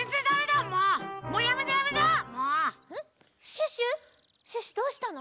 シュッシュシュッシュどうしたの？